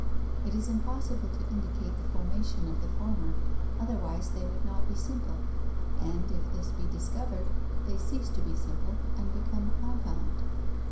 It is impossible to indicate the formation of the former, otherwise they would not be simple, and if this be discovered, they cease to be simple and become compound.